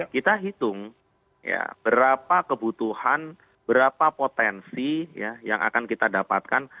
kita hitung berapa kebutuhan berapa potensi yang akan kita dapatkan